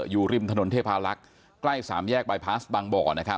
อยู่ริมถนนเทพาลักษณ์ใกล้๓แยกบายพาสบางบ่อ